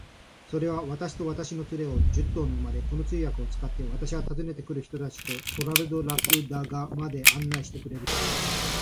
それは、私と私の連れを、十頭の馬で、この通訳を使って、私は訪ねて来る人たちとトラルドラグダカまで案内してくれるというのです。